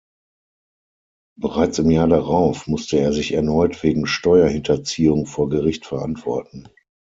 Bereits im Jahr darauf musste er sich erneut wegen Steuerhinterziehung vor Gericht verantworten.